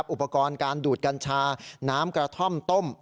อุปกรณ์การดูดกัญชาน้ำกระท่อมต้ม